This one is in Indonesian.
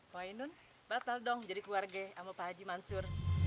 wahinun batal dong jadi keluarga sama pak haji mansur